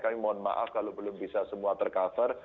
kami mohon maaf kalau belum bisa semua tercover